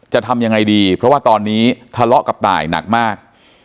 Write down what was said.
จะทำยังไงดีเพราะว่าตอนนี้ทะเลาะกับตายหนักมาก